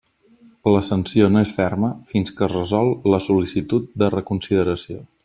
La sanció no és ferma fins que es resol la sol·licitud de reconsideració.